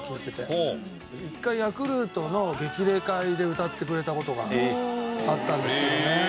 一回ヤクルトの激励会で歌ってくれた事があったんですけどね。